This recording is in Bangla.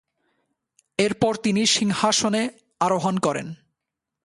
এরপর তিনি সিংহাসনে আরোহণ করেন।